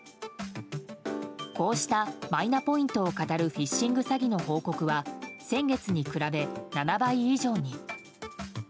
こうしたマイナポイントをかたるフィッシング詐欺の報告は先月に比べ７倍以上に。